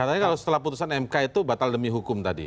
katanya kalau setelah putusan mk itu batal demi hukum tadi